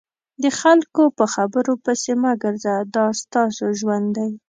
د خلکو په خبرو پسې مه ګرځه دا ستاسو ژوند دی.